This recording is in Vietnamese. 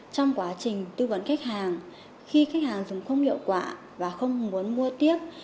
trong quá trình tư vấn khách hàng khi khách hàng dùng không hiệu quả và không muốn mua tiếp